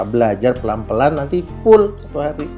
belajar pelan pelan nanti full satu hari